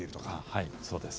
はい、そうです。